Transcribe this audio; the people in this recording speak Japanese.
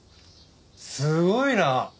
すごいな。